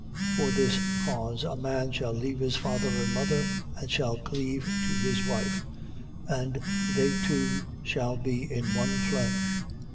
10:7. For this cause, a man shall leave his father and mother and shall cleave to his wife. 10:8. And they two shall be in one flesh.